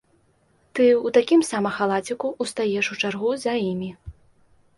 Ты ў такім сама халаціку ўстаеш у чаргу за імі.